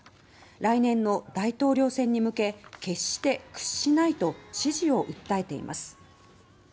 来年の大統領選に向け決して屈しないと支持を訴えています。